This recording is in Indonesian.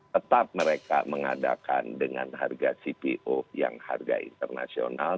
tetap mereka mengadakan dengan harga cpo yang harga internasional